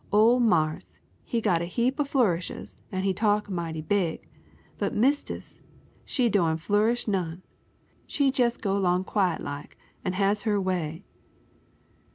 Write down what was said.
Ole marse, he got a heap o' flourishes an' he talk mighty big, but mistis she doan' flourish none; she jes' go 'long quiet like, an' has her way."